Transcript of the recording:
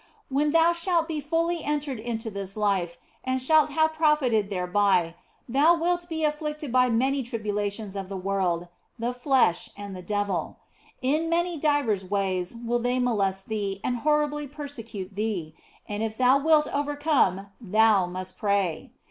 When thou shalt be fully entered into this life and shalt have profited thereby, thou wilt be afflicted by many tribula OF FOLIGNO 105 tions of the world, the flesh, and the devil. In many divers ways will they molest thee and horribly persecute thee, and if thou wilt overcome thou must pray.